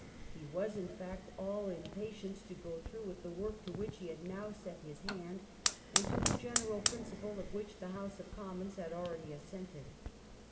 He was, in fact, all impatience to go through with the work to which he had now set his. hand, and to the general principle of which the House of Commons had already assented.